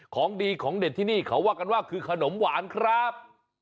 ของดีของเด็ดที่นี่เขาว่ากันว่าคือขนมหวานครับ